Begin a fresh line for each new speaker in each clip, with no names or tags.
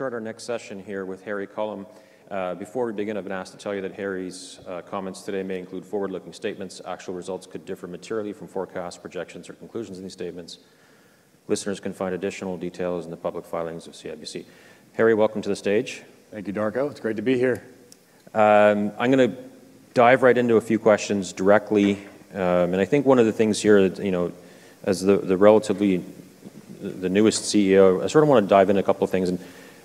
Start our next session here with Harry Culham. Before we begin, I've been asked to tell you that Harry's comments today may include forward-looking statements. Actual results could differ materially from forecasts, projections, or conclusions in these statements. Listeners can find additional details in the public filings of CIBC. Harry, welcome to the stage.
Thank you, Darko. It's great to be here.
I'm going to dive right into a few questions directly. And I think one of the things here, as the newest CEO, I sort of want to dive into a couple of things.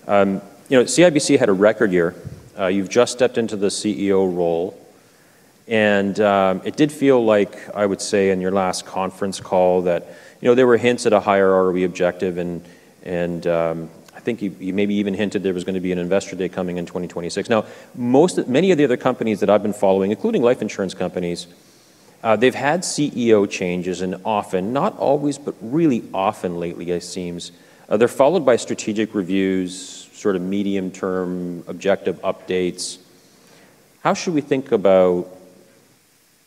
CIBC had a record year. You've just stepped into the CEO role. And it did feel like, I would say, in your last conference call, that there were hints at a higher ROE objective. And I think you maybe even hinted there was going to be an Investor Day coming in 2026. Now, many of the other companies that I've been following, including life insurance companies, they've had CEO changes and often, not always, but really often lately, it seems. They're followed by strategic reviews, sort of medium-term objective updates. How should we think about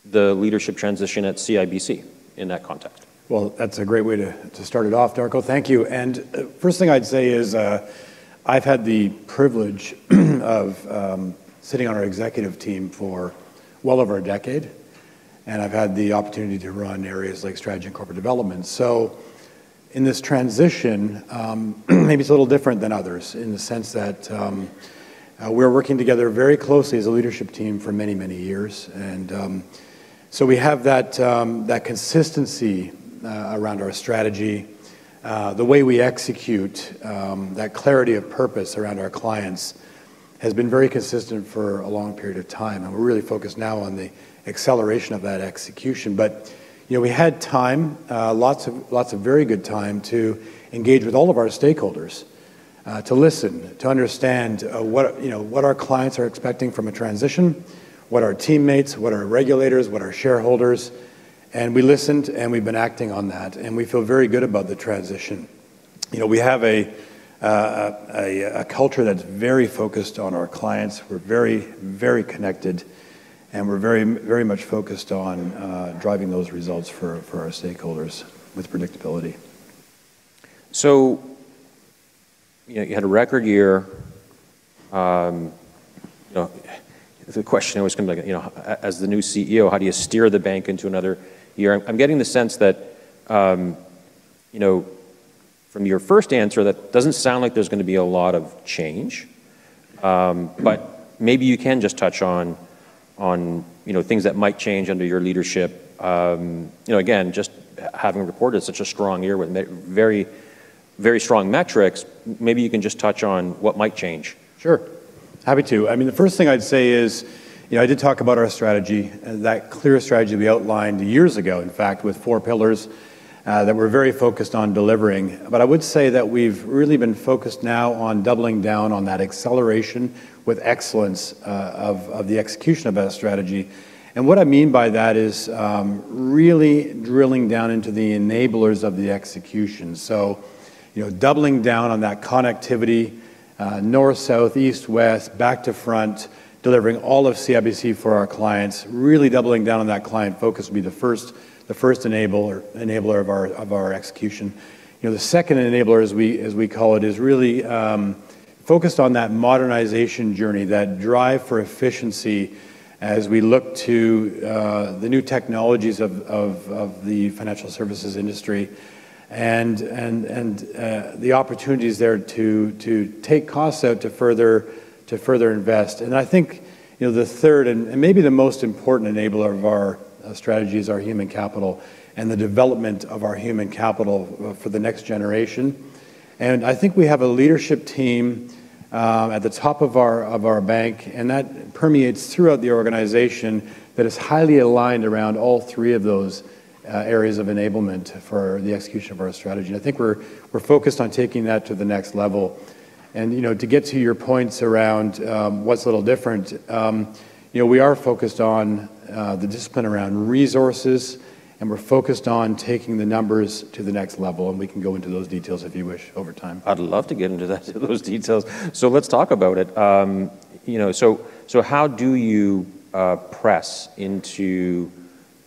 the leadership transition at CIBC in that context?
Well, that's a great way to start it off, Darko. Thank you. And the first thing I'd say is I've had the privilege of sitting on our executive team for well over a decade. And I've had the opportunity to run areas like strategy and corporate development. So in this transition, maybe it's a little different than others in the sense that we're working together very closely as a leadership team for many, many years. And so we have that consistency around our strategy, the way we execute, that clarity of purpose around our clients has been very consistent for a long period of time. And we're really focused now on the acceleration of that execution. But we had time, lots of very good time, to engage with all of our stakeholders, to listen, to understand what our clients are expecting from a transition, what our teammates, what our regulators, what our shareholders. And we listened, and we've been acting on that. And we feel very good about the transition. We have a culture that's very focused on our clients. We're very, very connected. And we're very much focused on driving those results for our stakeholders with predictability.
You had a record year. The question I was going to make, as the new CEO, how do you steer the bank into another year? I'm getting the sense that from your first answer, that doesn't sound like there's going to be a lot of change. Maybe you can just touch on things that might change under your leadership. Again, just having reported such a strong year with very strong metrics, maybe you can just touch on what might change.
Sure. Happy to. I mean, the first thing I'd say is I did talk about our strategy, that clear strategy we outlined years ago, in fact, with four pillars that we're very focused on delivering. But I would say that we've really been focused now on doubling down on that acceleration with excellence of the execution of that strategy. And what I mean by that is really drilling down into the enablers of the execution. So doubling down on that connectivity, north, south, east, west, back to front, delivering all of CIBC for our clients, really doubling down on that client focus would be the first enabler of our execution. The second enabler, as we call it, is really focused on that modernization journey, that drive for efficiency as we look to the new technologies of the financial services industry and the opportunities there to take costs out to further invest, and I think the third and maybe the most important enabler of our strategy is our Human Capital and the development of our Human Capital for the next generation, and I think we have a leadership team at the top of our bank, and that permeates throughout the organization that is highly aligned around all three of those areas of enablement for the execution of our strategy, and I think we're focused on taking that to the next level, and to get to your points around what's a little different, we are focused on the discipline around resources, and we're focused on taking the numbers to the next level. We can go into those details if you wish over time.
I'd love to get into those details. So let's talk about it. So how do you press into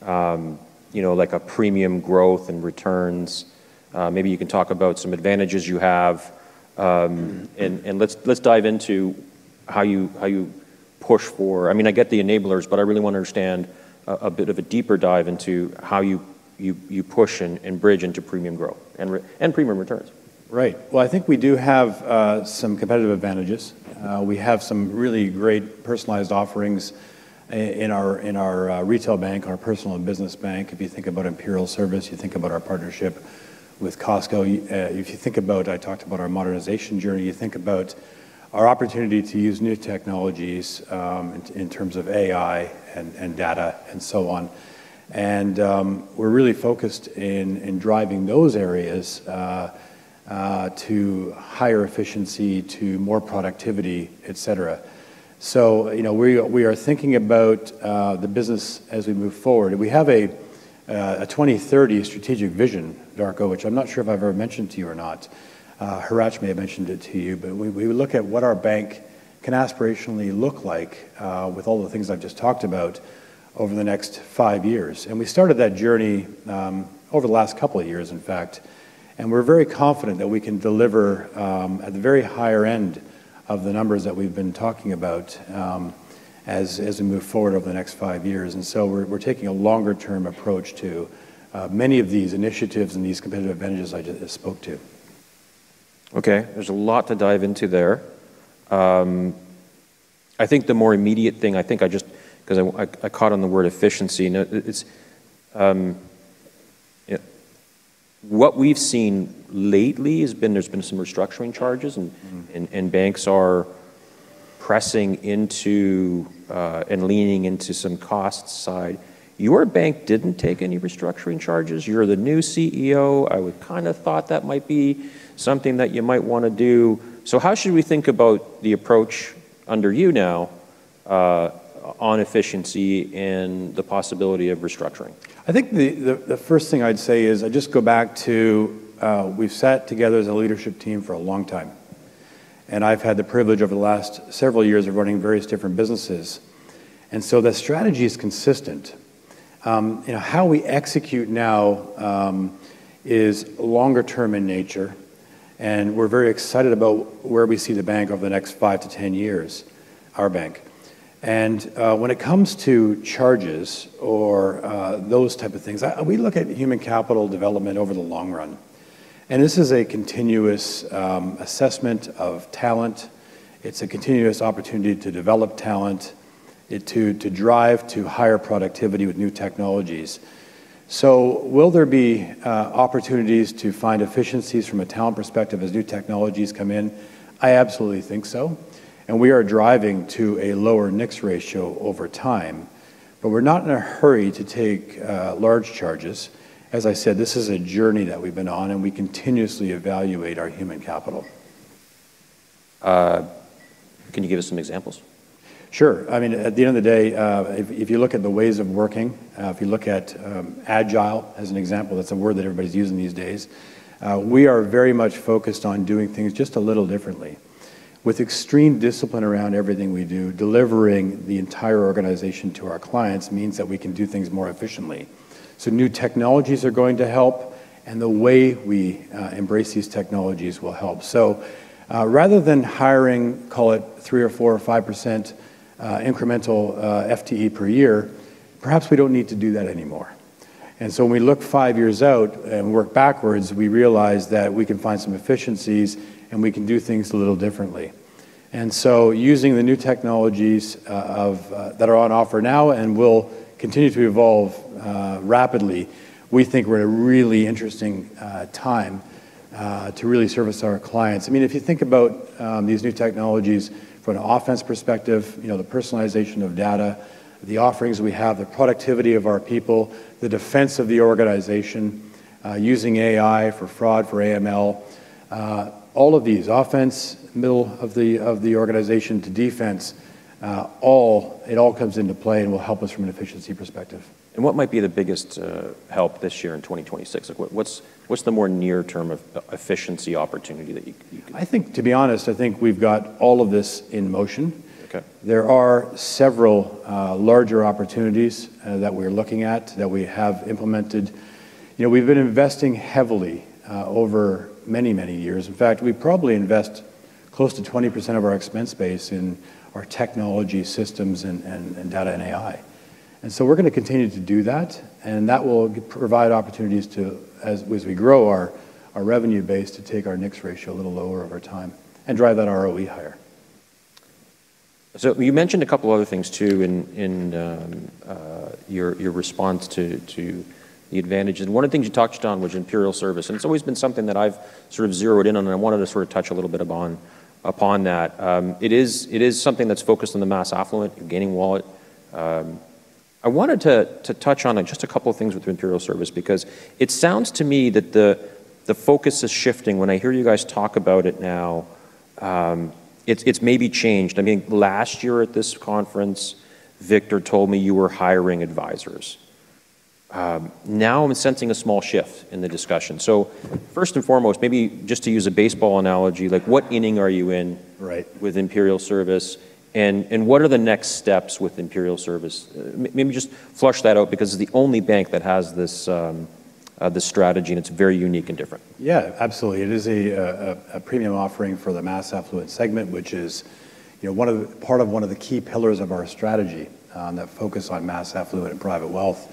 a premium growth and returns? Maybe you can talk about some advantages you have. And let's dive into how you push for, I mean, I get the enablers, but I really want to understand a bit of a deeper dive into how you push and bridge into premium growth and premium returns.
Right, well, I think we do have some competitive advantages. We have some really great personalized offerings in our retail bank, our personal and business bank. If you think about Imperial Service, you think about our partnership with Costco. If you think about, I talked about our modernization journey, you think about our opportunity to use new technologies in terms of AI and data and so on, and we're really focused in driving those areas to higher efficiency, to more productivity, et cetera, so we are thinking about the business as we move forward. We have a 2030 strategic vision, Darko, which I'm not sure if I've ever mentioned to you or not. Hratch may have mentioned it to you, but we look at what our bank can aspirationally look like with all the things I've just talked about over the next five years. And we started that journey over the last couple of years, in fact. And we're very confident that we can deliver at the very higher end of the numbers that we've been talking about as we move forward over the next five years. And so we're taking a longer-term approach to many of these initiatives and these competitive advantages I just spoke to.
Okay. There's a lot to dive into there. I think the more immediate thing, I think I just, because I caught on the word efficiency, what we've seen lately has been there's been some restructuring charges, and banks are pressing into and leaning into some cost side. Your bank didn't take any restructuring charges. You're the new CEO. I would kind of thought that might be something that you might want to do. So how should we think about the approach under you now on efficiency and the possibility of restructuring?
I think the first thing I'd say is I just go back to we've sat together as a leadership team for a long time, and I've had the privilege over the last several years of running various different businesses, and so the strategy is consistent. How we execute now is longer-term in nature, and we're very excited about where we see the bank over the next 5-10 years, our bank, and when it comes to charges or those type of things, we look at Human Capital development over the long run, and this is a continuous assessment of talent. It's a continuous opportunity to develop talent, to drive to higher productivity with new technologies. So will there be opportunities to find efficiencies from a talent perspective as new technologies come in? I absolutely think so, and we are driving to a lower efficiency ratio over time. But we're not in a hurry to take large charges. As I said, this is a journey that we've been on, and we continuously evaluate our Human Capital.
Can you give us some examples?
Sure. I mean, at the end of the day, if you look at the ways of working, if you look at agile as an example, that's a word that everybody's using these days, we are very much focused on doing things just a little differently. With extreme discipline around everything we do, delivering the entire organization to our clients means that we can do things more efficiently. So new technologies are going to help, and the way we embrace these technologies will help. So rather than hiring, call it 3% or 4% or 5% incremental FTE per year, perhaps we don't need to do that anymore. And so when we look five years out and work backwards, we realize that we can find some efficiencies, and we can do things a little differently. And so using the new technologies that are on offer now and will continue to evolve rapidly, we think we're in a really interesting time to really service our clients. I mean, if you think about these new technologies from an offense perspective, the personalization of data, the offerings we have, the productivity of our people, the defense of the organization, using AI for fraud, for AML, all of these, offense, middle of the organization to defense, it all comes into play and will help us from an efficiency perspective.
What might be the biggest help this year in 2026? What's the more near-term efficiency opportunity that you can?
I think, to be honest, I think we've got all of this in motion. There are several larger opportunities that we're looking at that we have implemented. We've been investing heavily over many, many years. In fact, we probably invest close to 20% of our expense base in our technology systems and data and AI. And so we're going to continue to do that. And that will provide opportunities to, as we grow our revenue base, to take our efficiency ratio a little lower over time and drive that ROE higher.
So you mentioned a couple of other things too in your response to the advantages. One of the things you touched on was Imperial Service. And it's always been something that I've sort of zeroed in on, and I wanted to sort of touch a little bit upon that. It is something that's focused on the mass affluent, gaining wallet. I wanted to touch on just a couple of things with Imperial Service because it sounds to me that the focus is shifting. When I hear you guys talk about it now, it's maybe changed. I mean, last year at this conference, Victor told me you were hiring advisors. Now I'm sensing a small shift in the discussion. So first and foremost, maybe just to use a baseball analogy, what inning are you in with Imperial Service? And what are the next steps with Imperial Service? Maybe just flesh that out because it's the only bank that has this strategy, and it's very unique and different.
Yeah, absolutely. It is a premium offering for the mass affluent segment, which is part of one of the key pillars of our strategy that focuses on mass affluent and private wealth.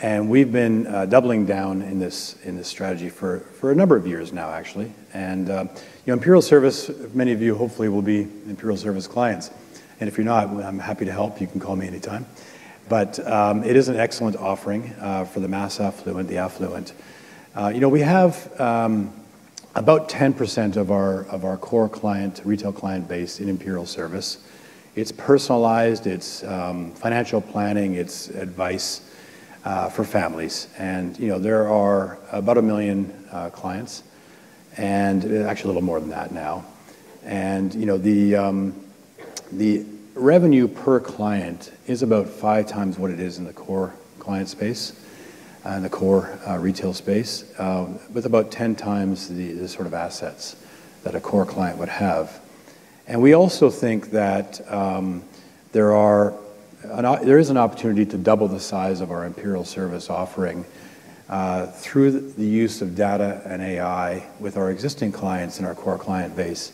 And we've been doubling down in this strategy for a number of years now, actually. And Imperial Service, many of you hopefully will be Imperial Service clients. And if you're not, I'm happy to help. You can call me anytime. But it is an excellent offering for the mass affluent, the affluent. We have about 10% of our core client, retail client base in Imperial Service. It's personalized, it's financial planning, it's advice for families. And there are about a million clients, and actually a little more than that now. And the revenue per client is about 5x what it is in the core client space, in the core retail space, with about 10x the sort of assets that a core client would have. And we also think that there is an opportunity to double the size of our Imperial Service offering through the use of data and AI with our existing clients and our core client base.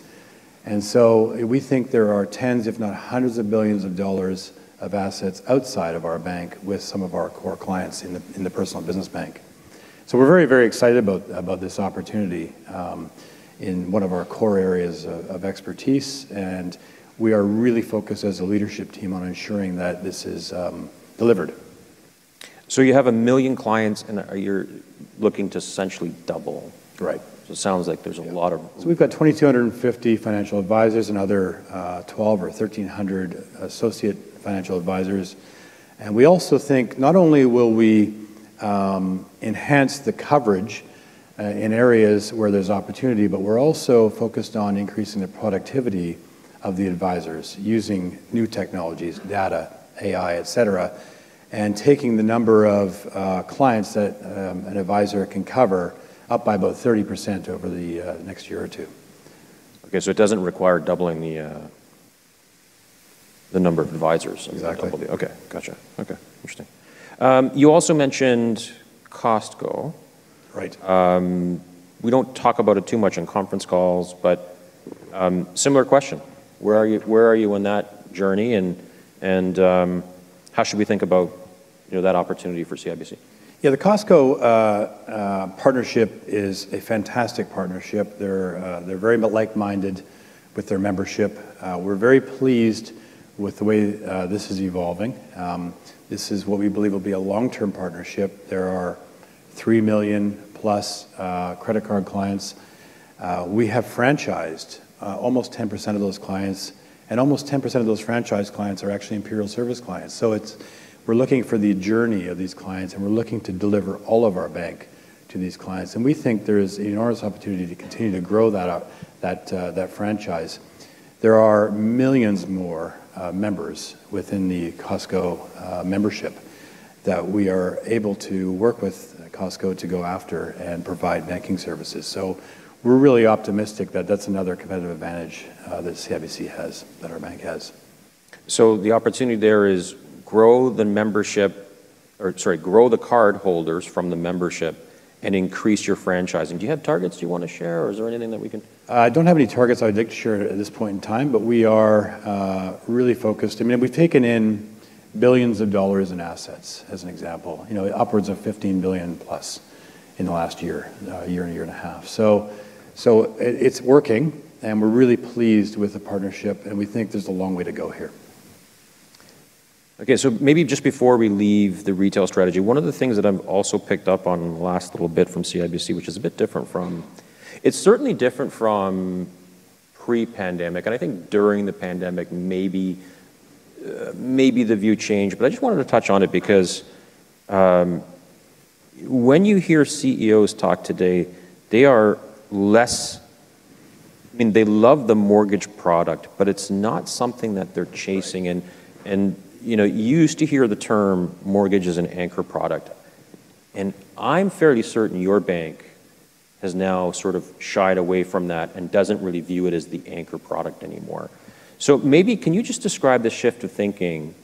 And so we think there are tens, if not hundreds of billions of dollars of assets outside of our bank with some of our core clients in the personal and business bank. So we're very, very excited about this opportunity in one of our core areas of expertise. And we are really focused as a leadership team on ensuring that this is delivered.
So you have a million clients, and you're looking to essentially double.
Right.
So it sounds like there's a lot of.
So we've got 2,250 financial advisors and other 12,000 or 1,300 associate financial advisors. And we also think not only will we enhance the coverage in areas where there's opportunity, but we're also focused on increasing the productivity of the advisors using new technologies, data, AI, et cetera, and taking the number of clients that an advisor can cover up by about 30% over the next year or two.
Okay, so it doesn't require doubling the number of advisors.
Exactly.
Okay. Gotcha. Okay. Interesting. You also mentioned Costco.
Right.
We don't talk about it too much in conference calls, but similar question. Where are you in that journey, and how should we think about that opportunity for CIBC?
Yeah, the Costco partnership is a fantastic partnership. They're very like-minded with their membership. We're very pleased with the way this is evolving. This is what we believe will be a long-term partnership. There are 3 million+ credit card clients. We have franchised almost 10% of those clients, and almost 10% of those franchise clients are actually Imperial Service clients. So we're looking for the journey of these clients, and we're looking to deliver all of our bank to these clients. And we think there is an enormous opportunity to continue to grow that franchise. There are millions more members within the Costco membership that we are able to work with Costco to go after and provide banking services. So we're really optimistic that that's another competitive advantage that CIBC has, that our bank has.
So the opportunity there is grow the membership, or sorry, grow the cardholders from the membership and increase your franchising. Do you have targets you want to share, or is there anything that we can?
I don't have any targets I'd like to share at this point in time, but we are really focused. I mean, we've taken in billions of dollars in assets, as an example, upwards of 15 billion+ in the last year, year and a year and a half. So it's working, and we're really pleased with the partnership, and we think there's a long way to go here.
Okay. So maybe just before we leave the retail strategy, one of the things that I've also picked up on the last little bit from CIBC, which is a bit different from, it's certainly different from pre-pandemic. And I think during the pandemic, maybe the view changed. But I just wanted to touch on it because when you hear CEOs talk today, they are less, I mean, they love the mortgage product, but it's not something that they're chasing. And you used to hear the term mortgage as an anchor product. And I'm fairly certain your bank has now sort of shied away from that and doesn't really view it as the anchor product anymore. So maybe can you just describe the shift of thinking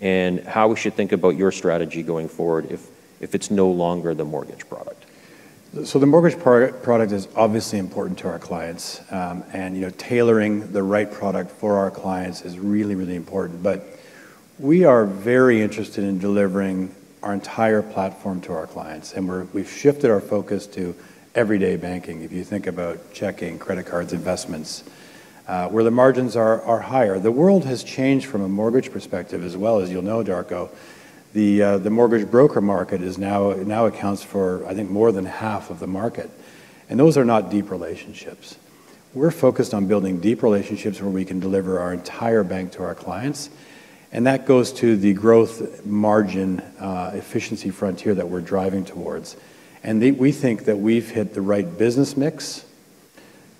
and how we should think about your strategy going forward if it's no longer the mortgage product?
So the mortgage product is obviously important to our clients. And tailoring the right product for our clients is really, really important. But we are very interested in delivering our entire platform to our clients. And we've shifted our focus to everyday banking, if you think about checking, credit cards, investments, where the margins are higher. The world has changed from a mortgage perspective as well as, you'll know, Darko. The mortgage broker market now accounts for, I think, more than half of the market. And those are not deep relationships. We're focused on building deep relationships where we can deliver our entire bank to our clients. And that goes to the growth margin efficiency frontier that we're driving towards. And we think that we've hit the right business mix,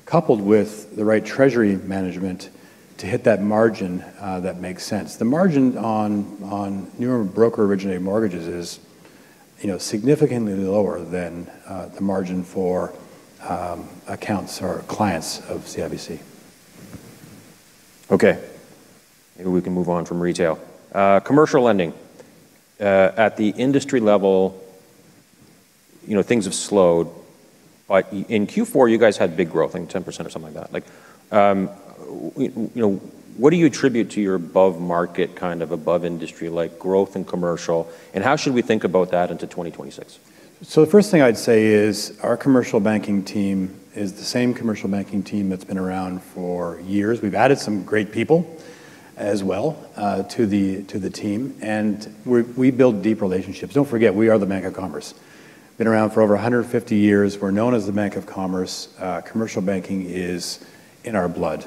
coupled with the right Treasury Management to hit that margin that makes sense. The margin on broker-originated mortgages is significantly lower than the margin for accounts or clients of CIBC.
Okay. Maybe we can move on from retail commercial lending. At the industry level, things have slowed. In Q4, you guys had big growth, like 10% or something like that. What do you attribute to your above-market, kind of above-industry growth and commercial? And how should we think about that into 2026?
So the first thing I'd say is our Commercial Banking team is the same Commercial Banking team that's been around for years. We've added some great people as well to the team. And we build deep relationships. Don't forget, we are the Bank of Commerce. Been around for over 150 years. We're known as the Bank of Commerce. Commercial banking is in our blood.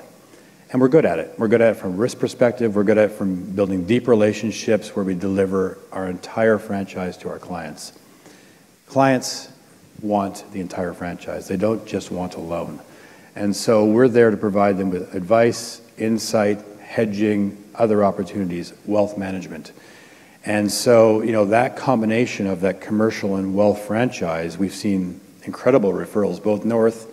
And we're good at it. We're good at it from a risk perspective. We're good at it from building deep relationships where we deliver our entire franchise to our clients. Clients want the entire franchise. They don't just want a loan. And so we're there to provide them with advice, insight, hedging, other opportunities, Wealth Management. And so that combination of that commercial and wealth franchise, we've seen incredible referrals, both north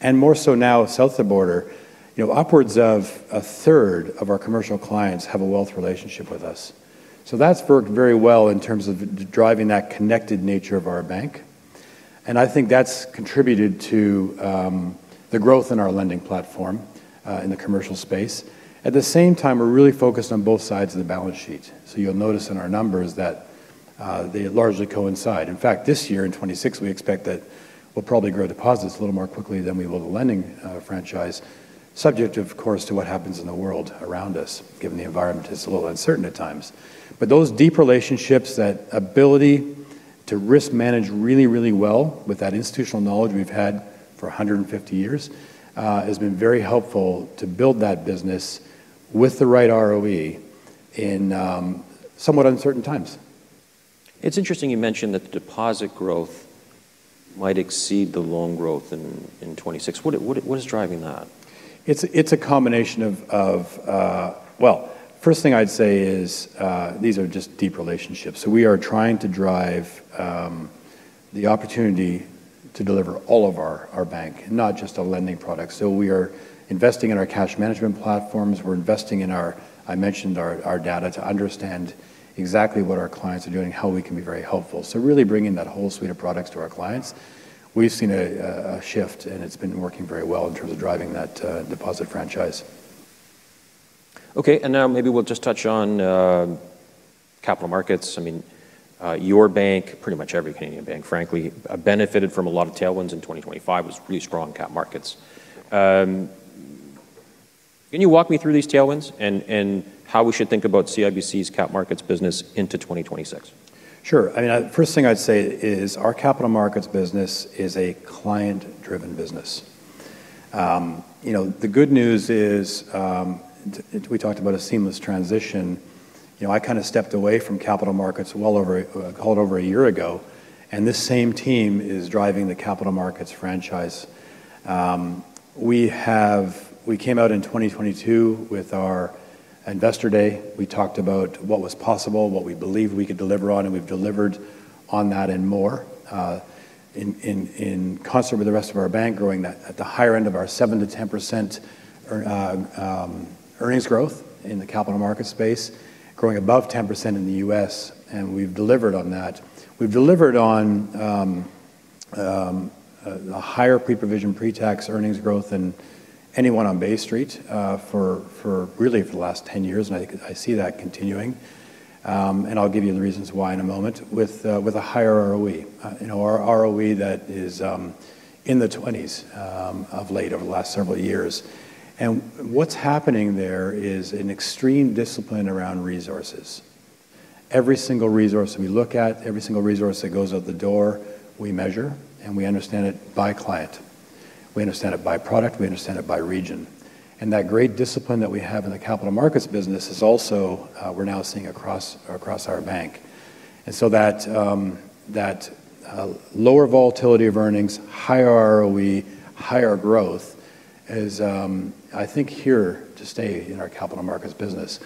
and more so now south of the border. Upwards of a third of our commercial clients have a wealth relationship with us. So that's worked very well in terms of driving that connected nature of our bank. And I think that's contributed to the growth in our lending platform in the commercial space. At the same time, we're really focused on both sides of the balance sheet. So you'll notice in our numbers that they largely coincide. In fact, this year in 2026, we expect that we'll probably grow deposits a little more quickly than we will the lending franchise, subject, of course, to what happens in the world around us, given the environment is a little uncertain at times. But those deep relationships, that ability to risk manage really, really well with that institutional knowledge we've had for 150 years has been very helpful to build that business with the right ROE in somewhat uncertain times.
It's interesting you mentioned that the deposit growth might exceed the loan growth in 2026. What is driving that?
It's a combination of, well, first thing I'd say is these are just deep relationships. So we are trying to drive the opportunity to deliver all of our bank, not just a lending product. So we are investing in our cash management platforms. We're investing in our, I mentioned, our data to understand exactly what our clients are doing, how we can be very helpful. So really bringing that whole suite of products to our clients. We've seen a shift, and it's been working very well in terms of driving that deposit franchise.
Okay. And now maybe we'll just touch on Capital Markets. I mean, your bank, pretty much every Canadian bank, frankly, benefited from a lot of tailwinds in 2025. It was pretty strong cap markets. Can you walk me through these tailwinds and how we should think about CIBC's cap markets business into 2026?
Sure. I mean, the first thing I'd say is our Capital Markets business is a client-driven business. The good news is we talked about a seamless transition. I kind of stepped away from Capital Markets well over, called over a year ago. And this same team is driving the Capital Markets franchise. We came out in 2022 with our investor day. We talked about what was possible, what we believed we could deliver on, and we've delivered on that and more in concert with the rest of our bank, growing at the higher end of our 7%-10% earnings growth in the Capital Markets space, growing above 10% in the U.S. And we've delivered on that. We've delivered on a higher pre-provision pre-tax earnings growth than anyone on Bay Street for really the last 10 years. And I see that continuing. And I'll give you the reasons why in a moment with a higher ROE, our ROE that is in the 20s of late over the last several years. And what's happening there is an extreme discipline around resources. Every single resource we look at, every single resource that goes out the door, we measure and we understand it by client. We understand it by product. We understand it by region. And that great discipline that we have in the Capital Markets business is also we're now seeing across our bank. And so that lower volatility of earnings, higher ROE, higher growth is, I think, here to stay in our Capital Markets business.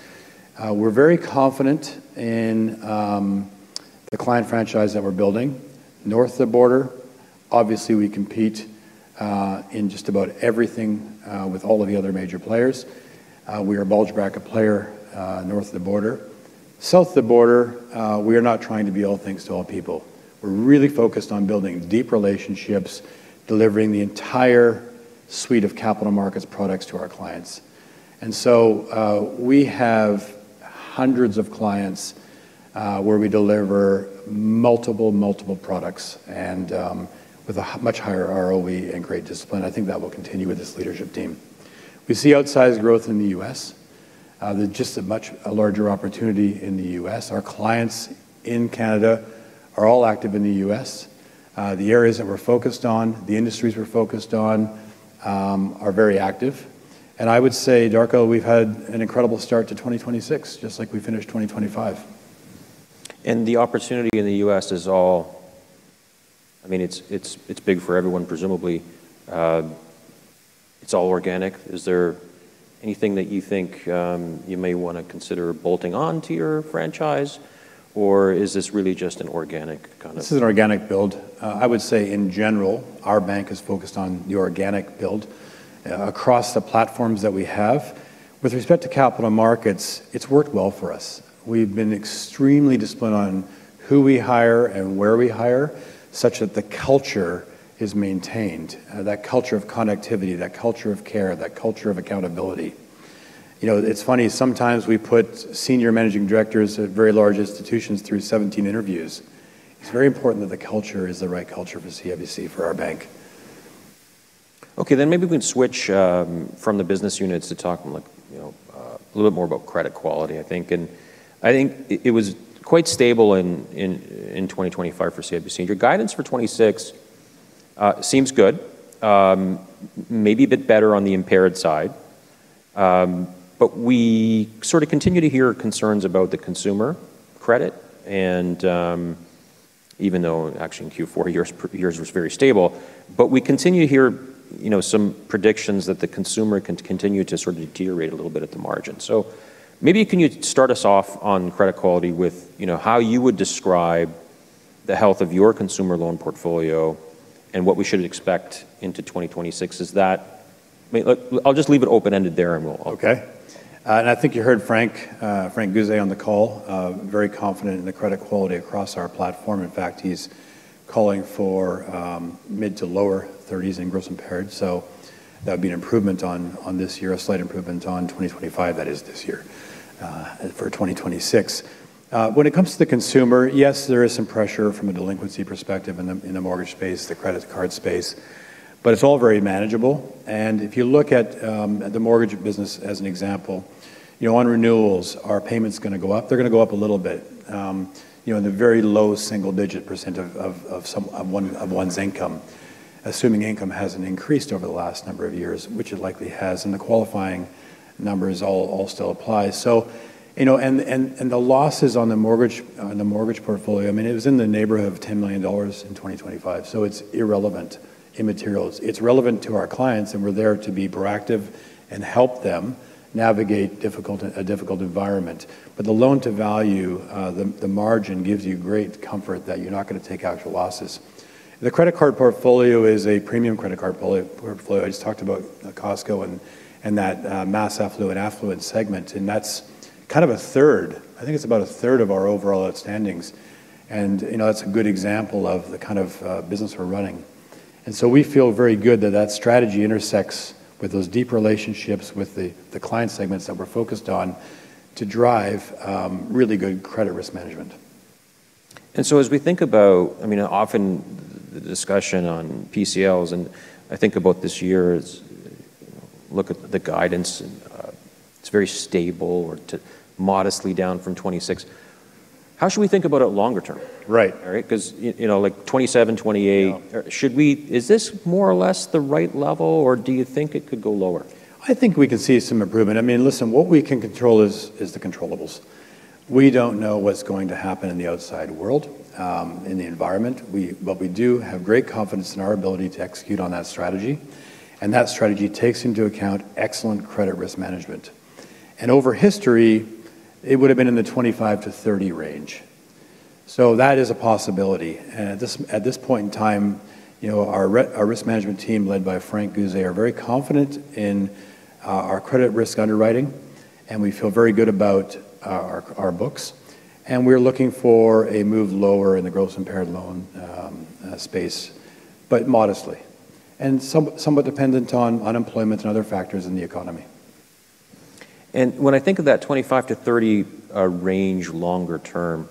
We're very confident in the client franchise that we're building north of the border. Obviously, we compete in just about everything with all of the other major players. We are a bulge bracket player north of the border. South of the border, we are not trying to be all things to all people. We're really focused on building deep relationships, delivering the entire suite of Capital Markets products to our clients. And so we have hundreds of clients where we deliver multiple, multiple products and with a much higher ROE and great discipline. I think that will continue with this leadership team. We see outsized growth in the U.S. There's just a much larger opportunity in the U.S. Our clients in Canada are all active in the U.S. The areas that we're focused on, the industries we're focused on are very active. And I would say, Darko, we've had an incredible start to 2026, just like we finished 2025.
The opportunity in the U.S. is all, I mean, it's big for everyone, presumably. It's all organic. Is there anything that you think you may want to consider bolting on to your franchise, or is this really just an organic kind of?
This is an organic build. I would say, in general, our bank is focused on the organic build across the platforms that we have. With respect to Capital Markets, it's worked well for us. We've been extremely disciplined on who we hire and where we hire, such that the culture is maintained, that culture of connectivity, that culture of care, that culture of accountability. It's funny. Sometimes we put senior managing directors at very large institutions through 17 interviews. It's very important that the culture is the right culture for CIBC, for our bank.
Okay, then maybe we can switch from the business units to talk a little bit more about credit quality, I think, and I think it was quite stable in 2025 for CIBC. Your guidance for 2026 seems good, maybe a bit better on the Imperial side, but we sort of continue to hear concerns about the consumer credit, and even though actually in Q4, yours was very stable, but we continue to hear some predictions that the consumer can continue to sort of deteriorate a little bit at the margin, so maybe can you start us off on credit quality with how you would describe the health of your consumer loan portfolio and what we should expect into 2026? I'll just leave it open-ended there and we'll.
Okay. And I think you heard Frank Guse on the call, very confident in the credit quality across our platform. In fact, he's calling for mid- to lower-30s in gross impaired. So that would be an improvement on this year, a slight improvement on 2025, that is this year, for 2026. When it comes to the consumer, yes, there is some pressure from a delinquency perspective in the mortgage space, the credit card space, but it's all very manageable. And if you look at the mortgage business as an example, on renewals, our payment's going to go up. They're going to go up a little bit in the very low single-digit percent of one's income, assuming income hasn't increased over the last number of years, which it likely has. And the qualifying numbers all still apply. The losses on the mortgage portfolio, I mean, it was in the neighborhood of 10 million dollars in 2025. So it's irrelevant, immaterial. It's relevant to our clients, and we're there to be proactive and help them navigate a difficult environment. But the loan-to-value, the margin gives you great comfort that you're not going to take actual losses. The credit card portfolio is a premium credit card portfolio. I just talked about Costco and that mass affluent segment. And that's kind of a third. I think it's about a third of our overall outstandings. And that's a good example of the kind of business we're running. And so we feel very good that that strategy intersects with those deep relationships with the client segments that we're focused on to drive really good credit risk management.
So as we think about, I mean, often the discussion on PCLs, and I think about this year's look at the guidance, it's very stable or modestly down from 2026. How should we think about it longer term? Right. Because 2027, 2028, should we, is this more or less the right level, or do you think it could go lower?
I think we can see some improvement. I mean, listen, what we can control is the controllables. We don't know what's going to happen in the outside world, in the environment. But we do have great confidence in our ability to execute on that strategy. And that strategy takes into account excellent credit risk management. And over history, it would have been in the 25-30 range. So that is a possibility. At this point in time, our Risk Management team led by Frank Guse are very confident in our credit risk underwriting. And we feel very good about our books. And we're looking for a move lower in the gross impaired loan space, but modestly and somewhat dependent on unemployment and other factors in the economy.
And when I think of that 25-30 range longer term,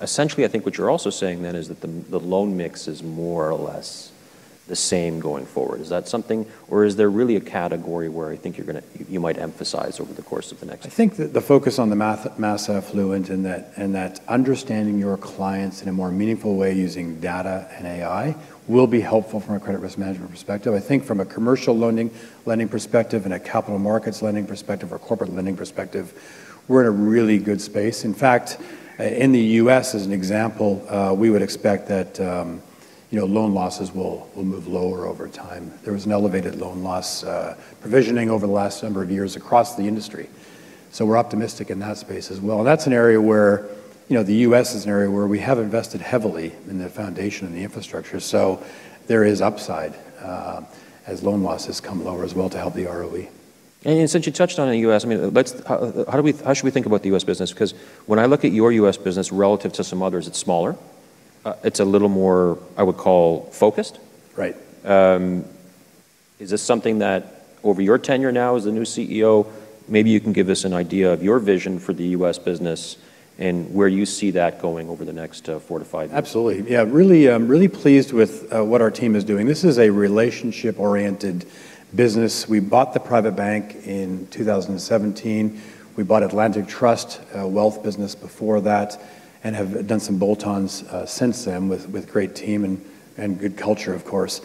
essentially, I think what you're also saying then is that the loan mix is more or less the same going forward. Is that something, or is there really a category where I think you might emphasize over the course of the next?
I think that the focus on the mass affluent and that understanding your clients in a more meaningful way using data and AI will be helpful from a credit risk management perspective. I think from a commercial lending perspective and a Capital Markets lending perspective or corporate lending perspective, we're in a really good space. In fact, in the U.S., as an example, we would expect that loan losses will move lower over time. There was an elevated loan loss provisioning over the last number of years across the industry, so we're optimistic in that space as well. And that's an area where the U.S. is an area where we have invested heavily in the foundation and the infrastructure, so there is upside as loan losses come lower as well to help the ROE.
And since you touched on the U.S., I mean, how should we think about the U.S. business? Because when I look at your U.S. business relative to some others, it's smaller. It's a little more, I would call, focused. Is this something that over your tenure now as the new CEO, maybe you can give us an idea of your vision for the U.S. business and where you see that going over the next four to five years?
Absolutely. Yeah. Really pleased with what our team is doing. This is a relationship-oriented business. We bought the PrivateBank in 2017. We bought Atlantic Trust wealth business before that and have done some bolt-ons since then with great team and good culture, of course.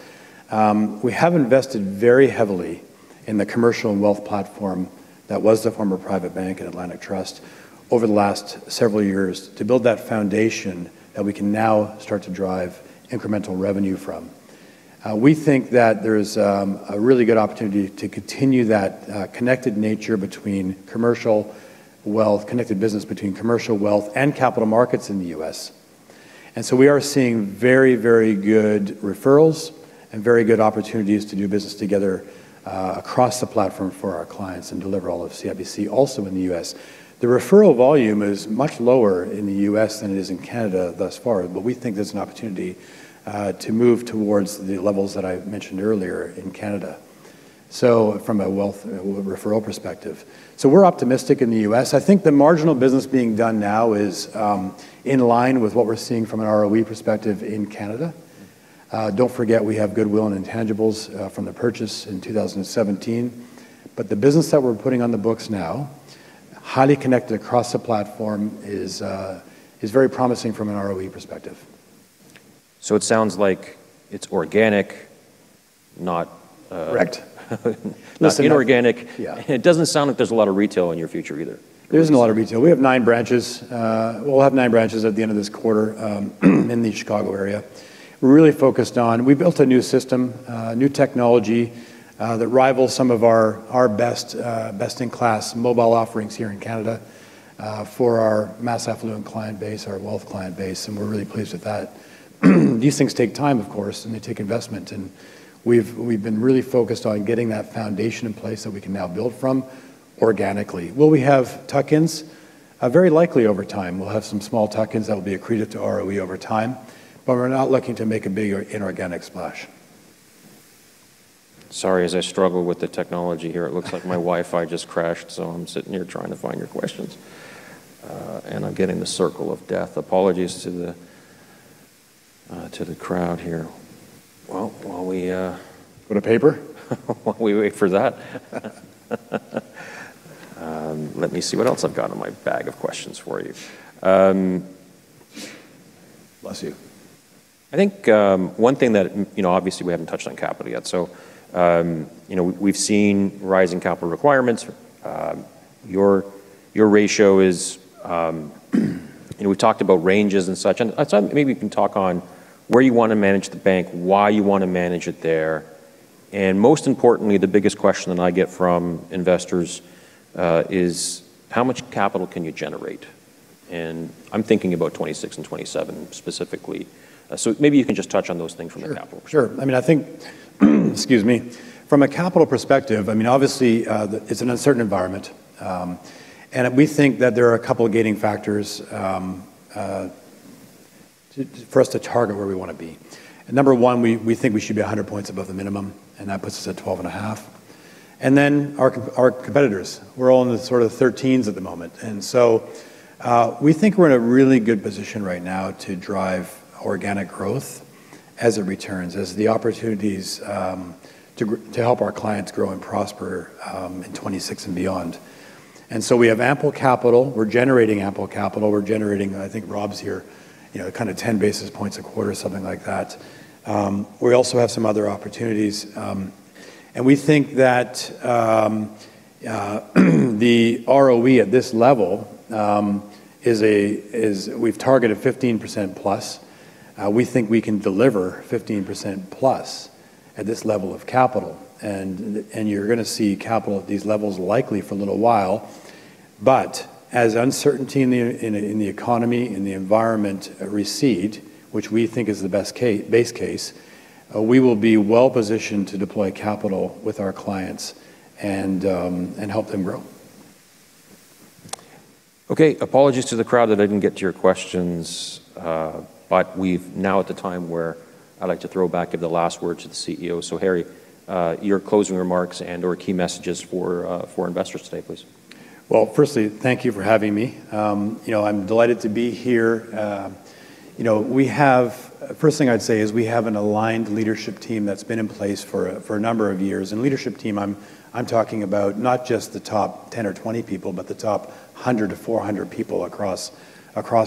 We have invested very heavily in the commercial and wealth platform that was the former PrivateBank and Atlantic Trust over the last several years to build that foundation that we can now start to drive incremental revenue from. We think that there is a really good opportunity to continue that connected nature between commercial wealth, connected business between commercial wealth and Capital Markets in the U.S. And so we are seeing very, very good referrals and very good opportunities to do business together across the platform for our clients and deliver all of CIBC also in the U.S. The referral volume is much lower in the U.S. than it is in Canada thus far. But we think there's an opportunity to move towards the levels that I mentioned earlier in Canada from a wealth referral perspective. So we're optimistic in the U.S. I think the marginal business being done now is in line with what we're seeing from an ROE perspective in Canada. Don't forget we have goodwill and intangibles from the purchase in 2017. But the business that we're putting on the books now, highly connected across the platform, is very promising from an ROE perspective.
So it sounds like it's organic, not.
Correct.
Not inorganic. It doesn't sound like there's a lot of retail in your future either.
There isn't a lot of retail. We have nine branches. We'll have nine branches at the end of this quarter in the Chicago area. We're really focused on we built a new system, new technology that rivals some of our best-in-class mobile offerings here in Canada for our mass affluent client base, our wealth client base, and we're really pleased with that. These things take time, of course, and they take investment, and we've been really focused on getting that foundation in place that we can now build from organically. Will we have tuck-ins? Very likely over time. We'll have some small tuck-ins that will be accretive to ROE over time, but we're not looking to make a big inorganic splash.
Sorry, as I struggle with the technology here, it looks like my Wi-Fi just crashed. So I'm sitting here trying to find your questions. And I'm getting the circle of death. Apologies to the crowd here. Well, while we.
Go to paper?
While we wait for that. Let me see what else I've got in my bag of questions for you.
Bless you.
I think one thing that obviously we haven't touched on capital yet. So we've seen rising capital requirements. Your ratio is. We've talked about ranges and such. And maybe we can talk on where you want to manage the bank, why you want to manage it there. And most importantly, the biggest question that I get from investors is how much capital can you generate? And I'm thinking about 2026 and 2027 specifically. So maybe you can just touch on those things from a capital.
Sure. I mean, I think, excuse me, from a capital perspective, I mean, obviously, it's an uncertain environment. And we think that there are a couple of gating factors for us to target where we want to be. Number one, we think we should be 100 points above the minimum, and that puts us at 12.5. And then our competitors, we're all in the sort of 13s at the moment. And so we think we're in a really good position right now to drive organic growth as it returns, as the opportunities to help our clients grow and prosper in 2026 and beyond. And so we have ample capital. We're generating ample capital. We're generating, I think Rob's here, kind of 10 basis points a quarter, something like that. We also have some other opportunities. And we think that the ROE at this level is a. We've targeted 15%+. We think we can deliver 15%+ at this level of capital. And you're going to see capital at these levels likely for a little while. But as uncertainty in the economy, in the environment recede, which we think is the best case base case, we will be well positioned to deploy capital with our clients and help them grow.
Okay. Apologies to the crowd that I didn't get to your questions, but we're now at the time where I'd like to throw back the last word to the CEO, so Harry, your closing remarks and/or key messages for investors today, please.
Firstly, thank you for having me. I'm delighted to be here. First thing I'd say is we have an aligned leadership team that's been in place for a number of years. Leadership team, I'm talking about not just the top 10 or 20 people, but the top 100-400 people across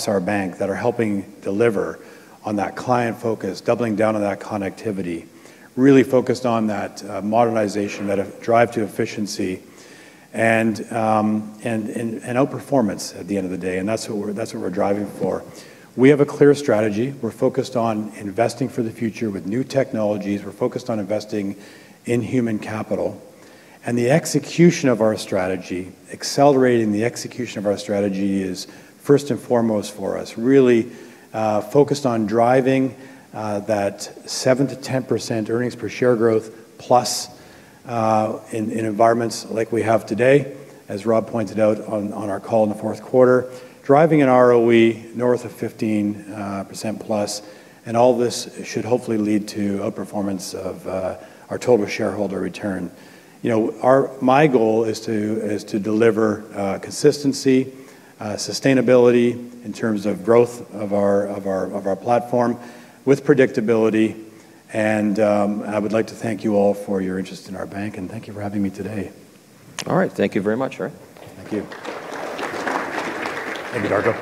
our bank that are helping deliver on that client focus, doubling down on that connectivity, really focused on that modernization, that drive to efficiency, and outperformance at the end of the day. That's what we're driving for. We have a clear strategy. We're focused on investing for the future with new technologies. We're focused on investing in Human Capital. The execution of our strategy, accelerating the execution of our strategy is first and foremost for us, really focused on driving that 7%-10% earnings per share growth plus in environments like we have today, as Rob pointed out on our call in the fourth quarter, driving an ROE north of 15%+. All this should hopefully lead to outperformance of our total shareholder return. My goal is to deliver consistency, sustainability in terms of growth of our platform with predictability. I would like to thank you all for your interest in our bank. Thank you for having me today.
All right. Thank you very much, Harry.
Thank you. Thank you, Darko.